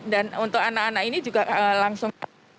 dan untuk anak anak ini juga langsung